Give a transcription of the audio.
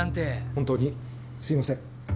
本当にすいません。